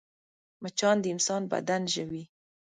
مچان د انسان بدن ژوي